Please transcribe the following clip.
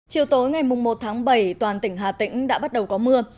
chiều tối ngày một tháng bảy toàn tỉnh hà tĩnh đã bắt đầu có mưa